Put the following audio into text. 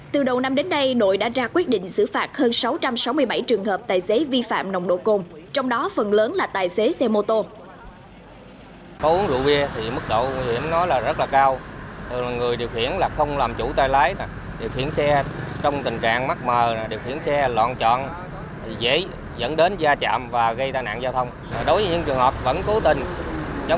từ đầu năm đến nay đội đã ra quyết định xử phạt hơn sáu trăm sáu mươi bảy trường hợp tài xế vi phạm nồng độ côn trong đó phần lớn là tài xế xe mô tô